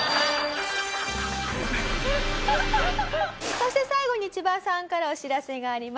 そして最後に千葉さんからお知らせがあります。